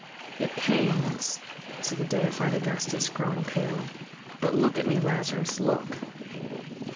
"It pains," said the deified Augustus, growing pale. "But look at me, Lazarus, look."